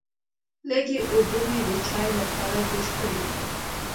لږې اوبه مې د چایو لپاره جوش کړې.